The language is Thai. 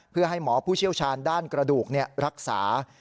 เพื่อให้หมอผู้เชี่ยวชาญด้านกระดูกรักษา